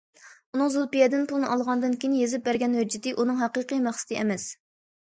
ئۇنىڭ زۇلپىيەدىن پۇلنى ئالغاندىن كېيىن يېزىپ بەرگەن ھۆججىتى ئۇنىڭ ھەقىقىي مەقسىتى ئەمەس.